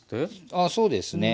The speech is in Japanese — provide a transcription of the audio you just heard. あそうですね